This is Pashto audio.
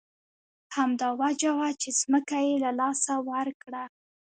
همدا وجه وه چې ځمکه یې له لاسه ورکړه.